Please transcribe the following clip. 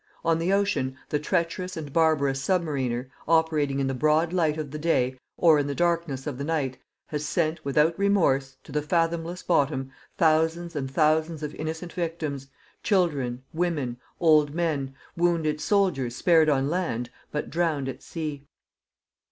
On the ocean the treacherous and barbarous submariner, operating in the broad light of the day, or in the darkness of the night, has sent, without remorse, to the fathomless bottom, thousands and thousands of innocent victims, children, women, old men, wounded soldiers spared on land but drowned at sea.